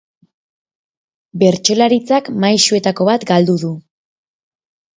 Bertsolaritzak maisuetako bat galdu du.